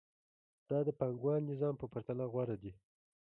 دا د پانګوال نظام په پرتله غوره دی